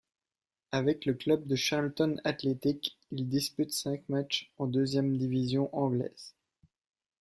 Avec le club de Charlton Athletic, il dispute cinq matchs en deuxième division anglaise.